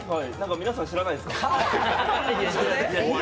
皆さん、知らないですか？